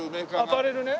アパレルね。